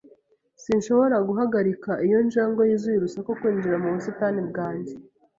Sinshobora guhagarika iyo njangwe yuzuye urusaku kwinjira mu busitani bwanjye.